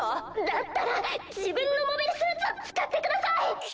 だったら自分のモビルスーツを使ってください！